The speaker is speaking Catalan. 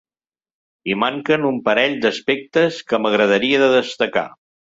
I manquen un parell d’aspectes que m’agradaria de destacar.